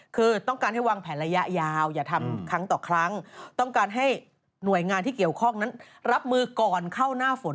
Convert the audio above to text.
คือต้องการให้วางแผนระยะยาวอย่าทำครั้งต่อครั้งต้องการให้หน่วยงานที่เกี่ยวข้องนั้นรับมือก่อนเข้าหน้าฝน